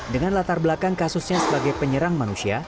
dengan latar belakang kasusnya sebagai penyerang manusia